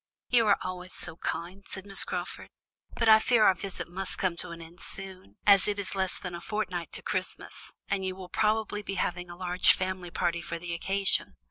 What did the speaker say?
"You are always so kind," said Miss Crawford. "But I fear our visit must come to an end soon, as it is less than a fortnight to Christmas, and you will probably be having a large family party for the occasion."